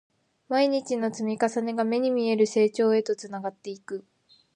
毎日の積み重ねが、目に見える成長へとつながっていく